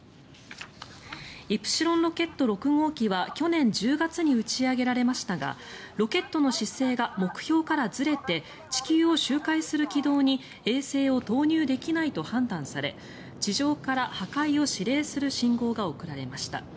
イプシロンロケット６号機は去年１０月に打ち上げられましたがロケットの姿勢が目標からずれて地球を周回する軌道に衛星を投入できないと判断され地上から破壊を指令する信号が送られました。